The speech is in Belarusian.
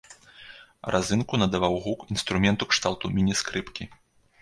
Разынку надаваў гук інструмента кшталту міні-скрыпкі.